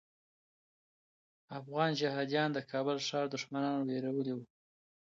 افغان جهاديان د کابل ښار دښمنان ویرولي.